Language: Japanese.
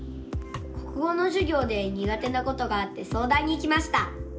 国語のじゅぎょうでにが手なことがあってそうだんに来ました。